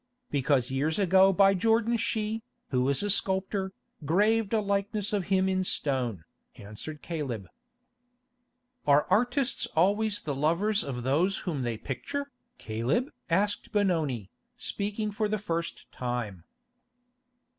"Because years ago by Jordan she, who is a sculptor, graved a likeness of him in stone," answered Caleb. "Are artists always the lovers of those whom they picture, Caleb?" asked Benoni, speaking for the first time.